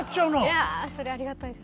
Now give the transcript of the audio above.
いやそれありがたいです。